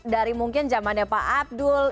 dari mungkin zamannya pak abdul